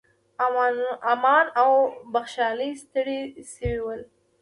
امان او بخشالۍ ستړي شوي ول.